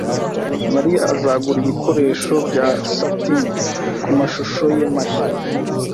Mariya azagura ibikoresho bya satine kumashusho ye mashya